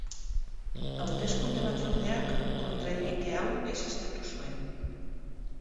Hauteskunde batzordeak kontra-egite hau ezeztatu zuen.